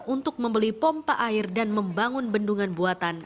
untuk membeli pompa air dan membangun bendungan buatan